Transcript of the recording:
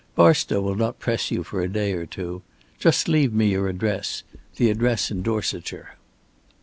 Barstow will not press you for a day or two. Just leave me your address the address in Dorsetshire."